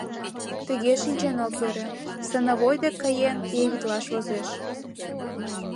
— Тыге шинчен ок йӧрӧ, становой дек каен, явитлаш возеш.